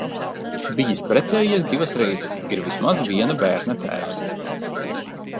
Bijis precējies divas reizes, ir vismaz viena bērna tēvs.